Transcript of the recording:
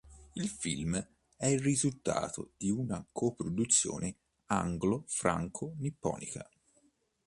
Il film è il risultato di una co-produzione anglo-franco-nipponica.